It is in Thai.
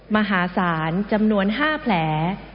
มหาศาลจำนวน๕แผล